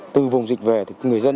từ vùng dịch về thì người dân